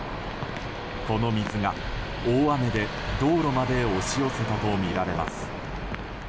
この水が大雨で道路まで押し寄せたとみられます。